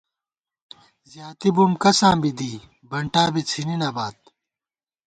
زیاتی بُم کساں بی دی بنٹا بی څھِنی نہ بات